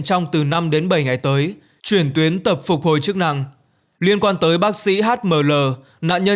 trong từ năm đến bảy ngày tới chuyển tuyến tập phục hồi chức năng liên quan tới bác sĩ hml nạn nhân